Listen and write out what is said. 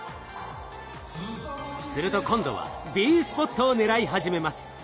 すると今度はＢスポットを狙い始めます。